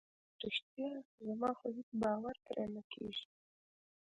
رښتیا؟ زما خو هیڅ باور پرې نه کیږي.